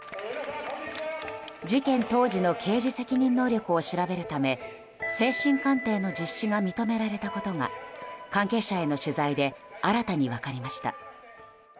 事件当時の刑事責任能力を調べるため精神鑑定の実施が認められたことが関係者への取材で新たに分かりました。